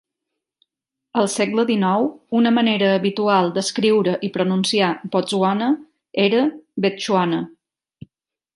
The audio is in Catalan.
Al segle dinou, una manera habitual d'escriure i pronunciar "Botswana" era "Betxuana".